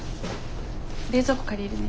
冷蔵庫借りるね。